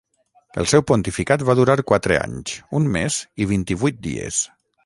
El seu pontificat va durar quatre anys, un mes i vint-i-vuit dies.